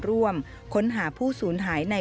สวัสดีครับ